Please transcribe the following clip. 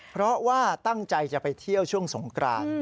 เพราะว่าตั้งใจจะไปเที่ยวช่วงสงกราน